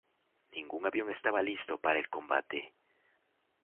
Ningún avión estaba listo para el combate.